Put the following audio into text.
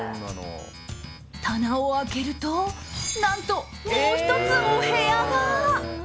棚を開けると何と、もう１つお部屋が。